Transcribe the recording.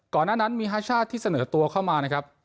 ก่อนหน้านั้นมี๕ชาติที่เสนอตัวเข้ามา